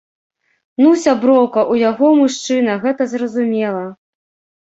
Ну, сяброўка ў яго мужчына, гэта зразумела.